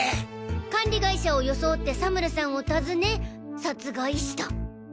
管理会社を装って佐村さんを訪ね殺害した。